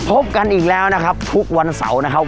พบกันอีกแล้วนะครับทุกวันเสาร์นะครับ